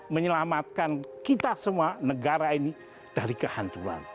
menyelamatkan kita semua negara ini dari kehancuran